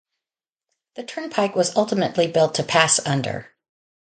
The Turnpike was ultimately built to pass under.